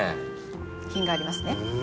品がありますね。